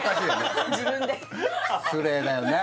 自分で失礼だよね